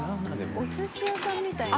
おすし屋さんみたいな。